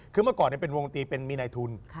คือเมื่อก่อนเป็นวงดนตรีเป็นมีในทุน